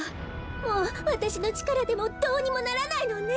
もうわたしのちからでもどうにもならないのね。